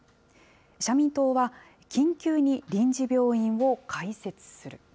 社民党は、緊急に臨時病院を開設する。